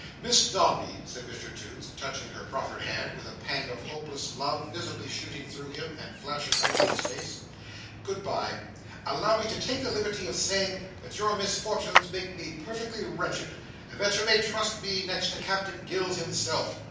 "Miss Dombey," said Mr Toots, touching her proffered hand, with a pang of hopeless love visibly shooting through him, and flashing out in his face, "Good bye! Allow me to take the liberty of saying, that your misfortunes make me perfectly wretched, and that you may trust me, next to Captain Gills himself.